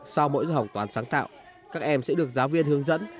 sau mỗi giờ học toán sáng tạo các em sẽ được giáo viên hướng dẫn